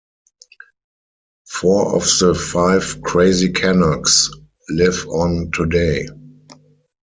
Four of the five "Crazy Canucks" live on today.